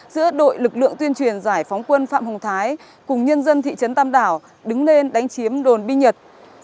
giữa đội lực lượng tuyên truyền giải phóng quân phạm hồng thái cùng nhân dân thị trấn tàm đào đứng lên đánh chiếm đồn binh nhật